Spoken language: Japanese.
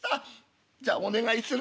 じゃお願いする。